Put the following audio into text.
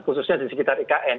khususnya di sekitar ikn